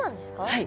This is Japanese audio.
はい。